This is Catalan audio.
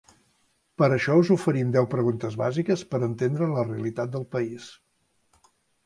Per això us oferim deu preguntes bàsiques per a entendre la realitat del país.